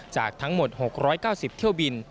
จากทั้งหมด๖๙๐เที่ยวบิน